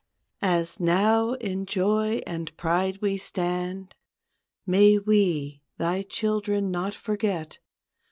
As now in joy and pride we stand. May we, thy children not forget.